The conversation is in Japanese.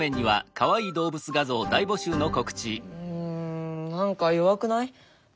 うん何か弱くない？